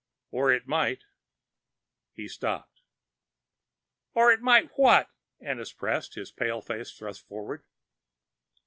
"Or it might " He stopped. "Or it might what?" pressed Ennis, his pale face thrust forward.